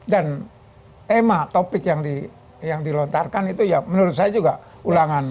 dan tema topik yang dilontarkan itu ya menurut saya juga ulangan